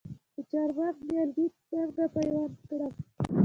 د چهارمغز نیالګي څنګه پیوند کړم؟